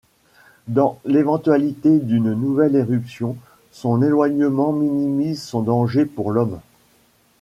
Dans l'éventualité d'une nouvelle éruption, son éloignement minimise son danger pour l'homme.